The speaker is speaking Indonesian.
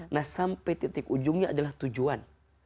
nah sampai titik ujungnya adalah tujuan